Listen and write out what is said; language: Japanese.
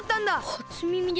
はつみみです。